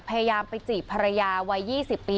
พยายามไปจีบภรรยาวัย๒๐ปี